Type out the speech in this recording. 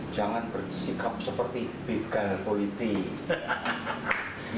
jangan bersikap seperti begal politik